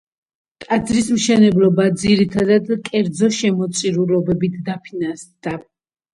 ტაძრის მშენებლობა ძირითადად კერძო შემოწირულობებით დაფინანსდა.